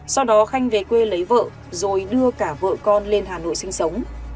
sau đó khanh về quê lấy vợ rồi đưa cả vợ con lên hà nội sinh sống